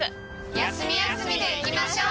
休み休みでいきましょう。